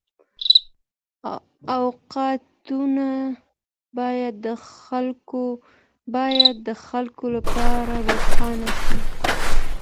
واقعيتونه بايد د خلګو لپاره روښانه سي.